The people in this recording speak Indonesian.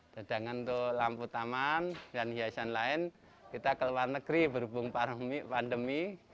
dan dengan itu lampu taman dan hiasan lain kita keluar negeri berhubung pandemi